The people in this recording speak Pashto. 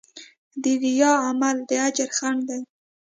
د ریا عمل د اجر خنډ دی.